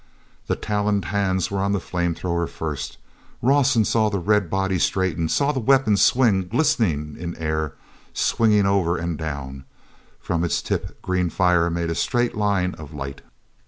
The taloned hands were on the flame thrower first. Rawson saw the red body straighten, saw the weapon swing, glistening in air, swinging over and down. From its tip green fire made a straight line of light.